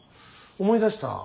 思い出した。